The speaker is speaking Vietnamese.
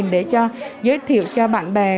để giới thiệu cho bạn bè